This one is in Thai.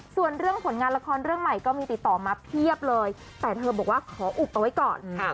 ส่วนเรื่องผลงานละครเรื่องใหม่ก็มีติดต่อมาเพียบเลยแต่เธอบอกว่าขออุบเอาไว้ก่อน